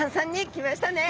来ましたね。